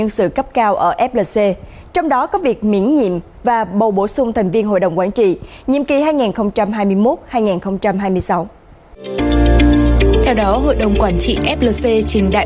xin chào và hẹn gặp lại